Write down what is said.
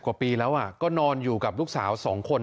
กว่าปีแล้วก็นอนอยู่กับลูกสาว๒คน